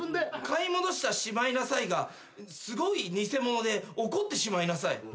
買い戻したしまいなさいがすごい偽物で怒ってしまいなさい。